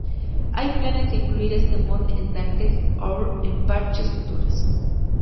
Hay planes de incluir este mod en Darkest Hour en parches futuros.